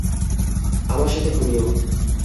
আমার সাথে ঘুমিও।